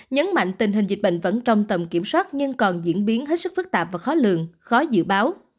nhấn mạnh tình hình dịch bệnh vẫn trong tầm kiểm soát nhưng còn diễn biến hết sức phức tạp và khó lường khó dự báo